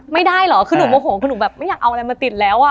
ไม่ได้เหรอคือหนูโมโหคือหนูแบบไม่อยากเอาอะไรมาติดแล้วอ่ะ